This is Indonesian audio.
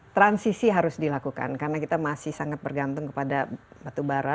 transisi harus dilakukan karena kita masih sangat bergantung kepada batubara